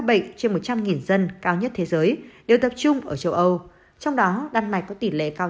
bệnh trên một trăm linh dân cao nhất thế giới đều tập trung ở châu âu trong đó đan mạch có tỷ lệ cao